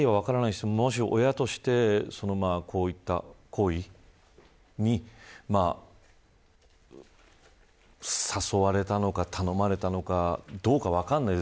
親として、こういった行為に誘われたのか、頼まれたのかどうか分からないです。